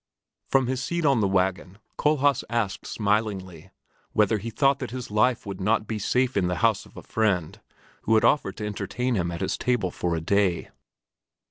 From his seat on the wagon Kohlhaas asked smilingly whether he thought that his life would not be safe in the house of a friend who had offered to entertain him at his table for a day.